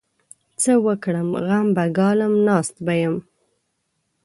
څه وکړم؟! غم به ګالم؛ ناست به يم.